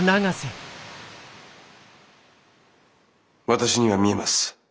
私には見えます。